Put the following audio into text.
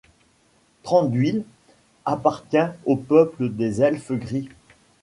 Thranduil appartient au peuple des Elfes gris.